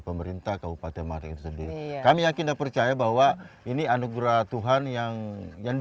pemerintah kabupaten madeng sendiri kami yakin dan percaya bahwa ini anugerah tuhan yang yang di